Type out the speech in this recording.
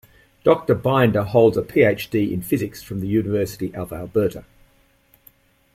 Doctor Binder holds a Ph.D. in physics from the University of Alberta.